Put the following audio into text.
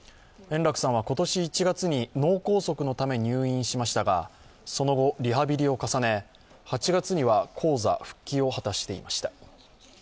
円楽さんは今年１月に脳梗塞のため入院しましたがその後、リハビリを重ね８月には高座復帰を果たしていました。